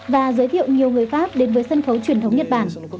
và giới thiệu nhiều người pháp đến với sân khấu truyền thống nhật bản